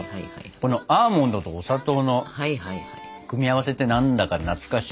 このアーモンドとお砂糖の組み合わせって何だか懐かしいし。